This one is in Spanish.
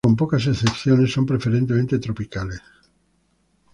Con pocas excepciones son preferentemente tropicales.